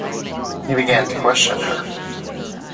He began to question her.